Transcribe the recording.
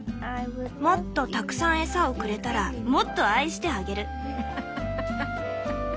もっとたくさん餌をくれたらもっと愛してあげる」。